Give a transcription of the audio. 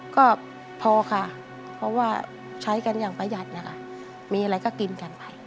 ก็พอค่ะเพราะว่าใช้กันอย่างประหยัดนะคะมีอะไรก็กินกันไป